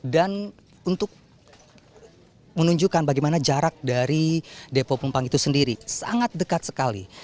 dan untuk menunjukkan bagaimana jarak dari depo pertamina pelumpang itu sendiri sangat dekat sekali